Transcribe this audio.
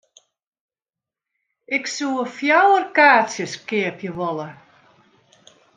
Ik soe fjouwer kaartsjes keapje wolle.